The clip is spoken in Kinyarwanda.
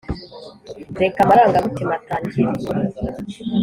reka amarangamutima atangire.